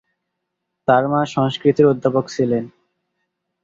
তার মা সংস্কৃতের অধ্যাপক ছিলেন।